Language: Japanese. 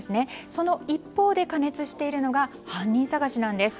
その一方で加熱しているのが犯人捜しなんです。